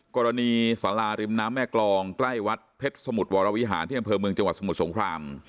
กรณีสาราริมน้ำแม่กรองใกล้วัดเพชรสมุทรวรวิหารที่อำเภอเมืองจังหวัดสมุทรสงคราม